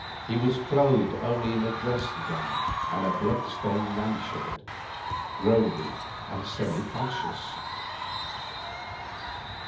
He was clothed only in a dressing gown and a blood stained nightshirt, groaning and semi unconscious.